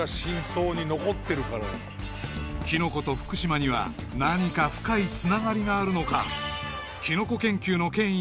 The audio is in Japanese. ［きのこと福島には何か深いつながりがあるのか］